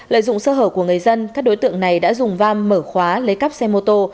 lợi dụng sơ hở của người dân các đối tượng này đã dùng vam mở khóa lấy cắp xe mô tô